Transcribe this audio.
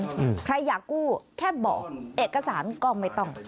ใครอยากกู้แค่บอกเอกสารก็ไม่ต้อง